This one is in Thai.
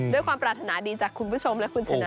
ด้วยความปรารถนาดีจากคุณผู้ชมและคุณชนะ